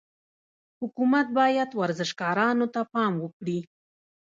حکومت باید ورزشکارانو ته پام وکړي.